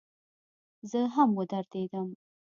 زه هم ودرېدم.